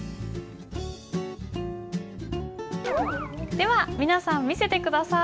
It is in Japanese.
では皆さん見せて下さい。